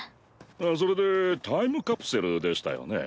あっそれでタイムカプセルでしたよね？